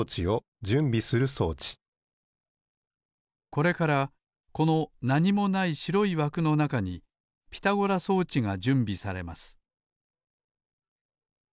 これからこのなにもないしろいわくのなかにピタゴラ装置がじゅんびされます